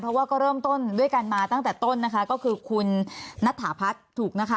เพราะว่าก็เริ่มต้นด้วยกันมาตั้งแต่ต้นนะคะก็คือคุณนัทถาพัฒน์ถูกนะคะ